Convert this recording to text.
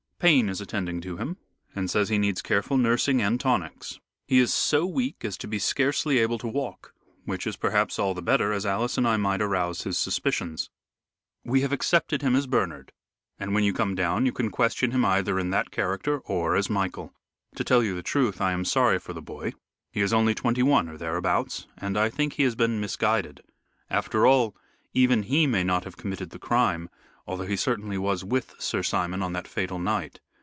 Payne is attending to him and says he needs careful nursing and tonics. He is so weak as to be scarcely able to talk, which is perhaps all the better, as Alice and I might arouse his suspicions. We have accepted him as Bernard, and when you come down you can question him either in that character or as Michael. To tell you the truth, I am sorry for the boy he is only twenty one or thereabouts, and I think he has been misguided. After all, even he may not have committed the crime, although he was certainly with Sir Simon on that fatal night.